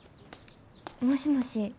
もしもし。